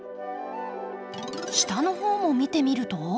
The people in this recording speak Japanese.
下の方も見てみると。